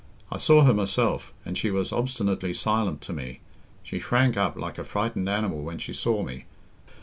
I saw her myself, and she was obstinately silent to me; she shrank up like a frightened animal when she saw me.